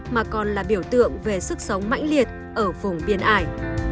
mà còn là biểu tượng về sức sống mãnh liệt ở vùng biên ải